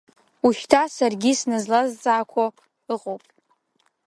Уажәшьҭа саргьы сназлазҵаақәо ыҟоуп.